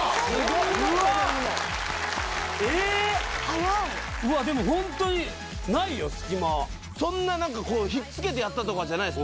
・早いうわっでもホントにそんなひっつけてやったとかじゃないです